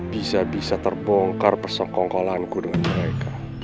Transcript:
bisa bisa terbongkar persengkongkolanku dengan mereka